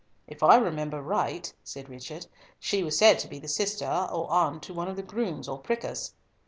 "If I remember right," said Richard, "she was said to be the sister or aunt to one of the grooms or prickers."